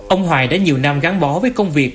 ông hoài đã nhiều năm gắn bó với công việc